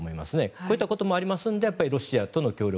こういったこともありますのでロシアとの協力